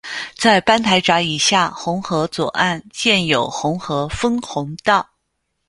在班台闸以下洪河左岸建有洪河分洪道。